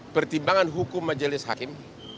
pertimbangan hukum majelis hakim